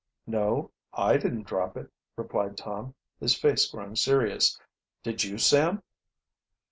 "No, I didn't drop it," replied Tom, his face growing serious. "Did you, Sam?"